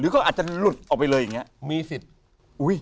หรือก็อาจจะหลุดออกไปเลยอย่างนี้